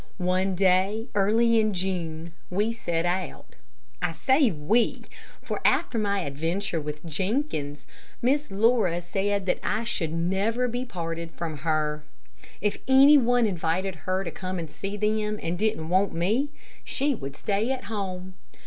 One day, early in June, we set out. I say "we," for after my adventure with Jenkins, Miss Laura said that I should never be parted from her. If any one invited her to come and see them and didn't want me, she would stay at home.